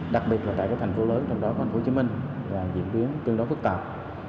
đặc biệt là tại các thành phố lớn trong đó có thành phố hồ chí minh là diễn biến tương đối phức tạp